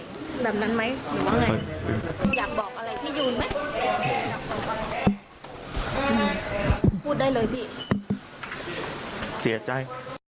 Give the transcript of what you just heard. อยากบอกอะไรพี่ยูนไหมพูดได้เลยพี่เสียใจ